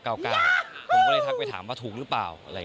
ผมก็เลยทักไปถามว่าถูกหรือเปล่า